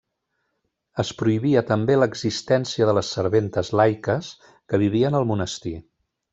Es prohibia també l'existència de les serventes laiques que vivien al monestir.